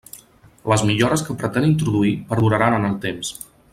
Les millores que pretén introduir perduraran en el temps.